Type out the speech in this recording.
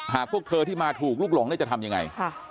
หากพวกเธอที่มาถูกลุกหลงจะทำยังไง